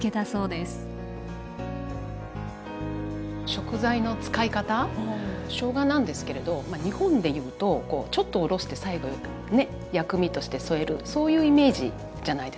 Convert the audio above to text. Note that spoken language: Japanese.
食材の使い方しょうがなんですけれど日本でいうとちょっとおろして最後ね薬味として添えるそういうイメージじゃないですか。